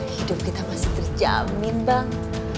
hidup kita masih terjamin bang